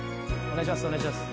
お願いします。